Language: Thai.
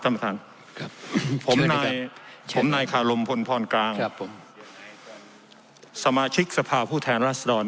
ท่านประธานครับผมนายผมนายคารมพลพรกลางครับผมสมาชิกสภาพผู้แทนรัศดร